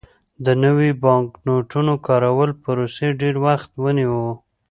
د نویو بانکنوټونو کارولو پروسې ډېر وخت ونیو.